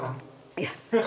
いや。